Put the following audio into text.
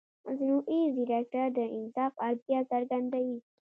مصنوعي ځیرکتیا د انصاف اړتیا څرګندوي.